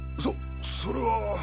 そそれは。